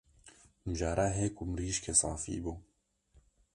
Mijara hêk û mirîşkê safî bû